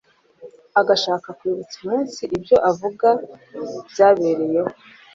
agashaka kwibutsa umunsi ibyo avuga byabereyeho